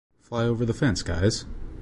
Fly over the fence guys!